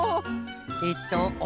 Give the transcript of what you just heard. えっとおっ！